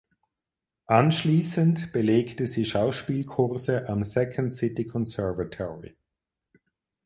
Anschließend belegte sie Schauspielkurse am Second City Conservatory.